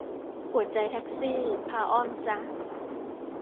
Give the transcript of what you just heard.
ปวดใจแท็กซี่ พาอ้อมซะ